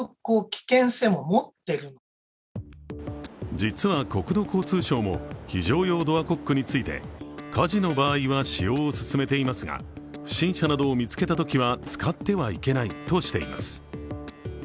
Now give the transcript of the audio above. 実は国土交通省も非常用ドアコックについて火事の場合は使用を勧めていますが、不審者などを見つけたときは使ってはいけないとしています。